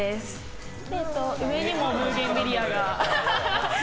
上にもブーゲンビリアが。